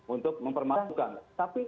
untuk mempermasukan tapi